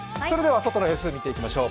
外の様子、見ていきましょう。